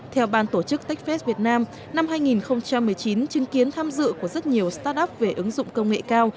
theo ban tổ chức techfest việt nam năm hai nghìn một mươi chín chứng kiến tham dự của rất nhiều start up về ứng dụng công nghệ cao